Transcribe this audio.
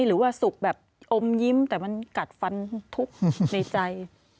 หรือว่าสุขแบบอมยิ้มแต่มันกัดฟันทุกข์ในใจ